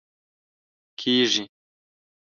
کېږي